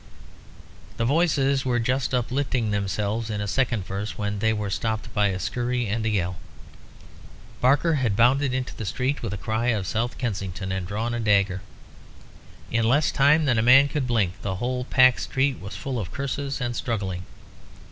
The voices were just uplifting themselves in a second verse when they were stopped by a scurry and a yell. Barker had bounded into the street with a cry of "South Kensington!" and a drawn dagger. In less time than a man could blink, the whole packed street was full of curses and struggling.